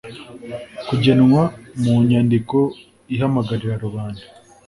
kugenwa mu nyandiko ihamagarira rubanda